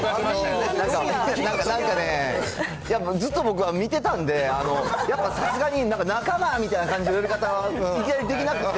アミーゴってなんかね、やっぱずっと僕は見てたんで、やっぱさすがに仲間みたいな感じの呼び方はいきなりできなくって。